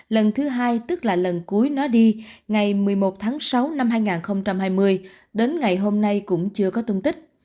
lần thứ hai tức là lần cuối nó đi ngày một mươi một tháng sáu năm hai nghìn hai mươi đến ngày hôm nay cũng chưa có tung tích